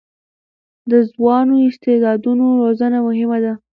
د ځوانو استعدادونو روزنه مهمه ده.